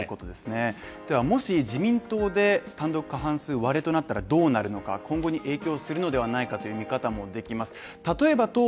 もし自民党で単独過半数割れとなったらどうなるのか今後に影響するのではないかという見方もできます。